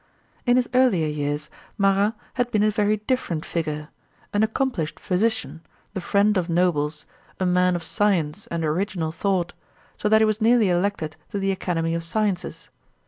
In his earlier years Marat had been a very different figure an accomplished physician, the friend of nobles, a man of science and original thought, so that he was nearly elected to the Academy of Sciences.